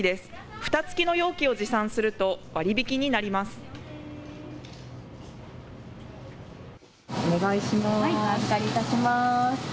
ふた付きの容器を持参すると割り引きになります。